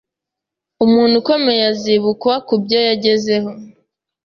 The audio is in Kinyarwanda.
Umuntu ukomeye azibukwa kubyo yagezeho